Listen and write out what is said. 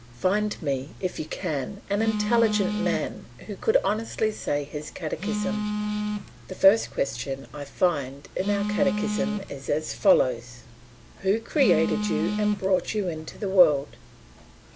Find me, if you can, an intelligent man who could honestly say his catechism. The first question I find in our catechism is as follows: "Who created you and brought you into the world?"